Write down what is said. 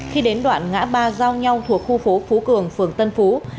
khi đến đoạn ngã ba giao nhau thuộc khu phố phú cường phường tân phú